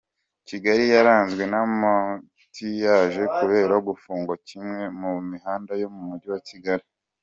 Kigali yaranzwe n’ ambutiyaje kubera gufungwa kwimwe mu mihanda yo mu mujyi wa kigali .